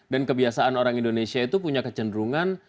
dan kebiasaan orang indonesia itu punya kecenderungan